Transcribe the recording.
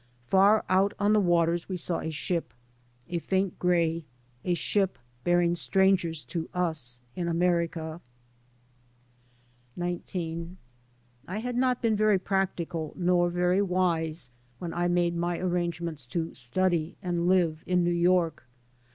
Far out on the waters we sawa ship, a faint grey; a ship bearing strangers to us in' America. 3 by Google CHAPTER XIX 1HAD not been very practical nor very wise when I made my arrangements to " study and live " in New York.